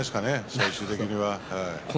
最終的には。